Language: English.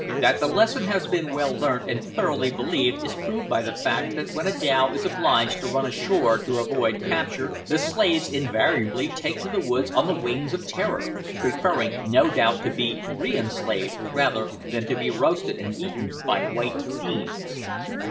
That the lesson has been well learnt and thoroughly believed is proved by the fact that when a dhow is obliged to run ashore to avoid capture, the slaves invariably take to the woods on the wings of terror, preferring, no doubt to be re enslaved rather than to be roasted and eaten by white fiends.